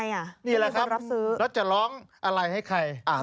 ไม่มีคนรับซื้อนี่แหละครับแล้วจะร้องอะไรให้ใคร